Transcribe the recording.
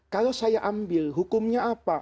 kalau saya ambil hukumnya apa